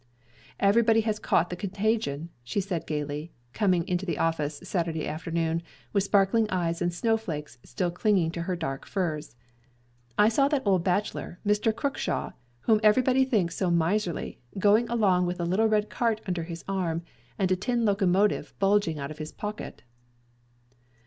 "Everybody has caught the contagion," she said gayly, coming into the office Saturday afternoon, with sparkling eyes, and snowflakes still clinging to her dark furs. "I saw that old bachelor, Mr. Crookshaw, whom everybody thinks so miserly, going along with a little red cart under his arm, and a tin locomotive bulging out of his pocket."